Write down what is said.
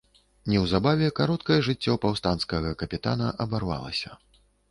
Неўзабаве кароткае жыццё паўстанцкага капітана абарвалася.